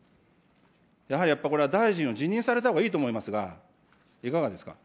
やはりやっぱりこれは大臣を辞任されたほうがいいと思いますが、いかがですか。